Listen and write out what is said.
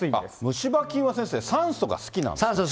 虫歯菌は先生、酸素が好きなんだ。